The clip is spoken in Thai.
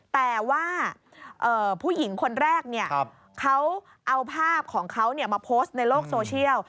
แต่ว่าผู้หญิงคนแรกเขาเอาภาพของเขามาโพสต์ในโลกโซเชียล